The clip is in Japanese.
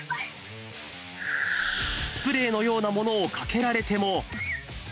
スプレーのようなものをかけられても。